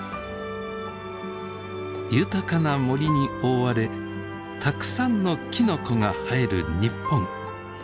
豊かな森に覆われたくさんのきのこが生える日本。